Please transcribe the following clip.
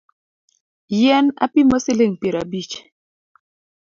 Yien apimo siling’ piero abich